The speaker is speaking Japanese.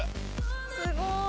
すごい。